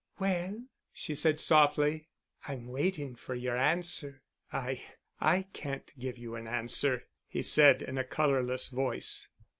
"Well——" she said softly, "I'm waiting for your answer." "I—I can't give you an answer," he said in a colorless voice.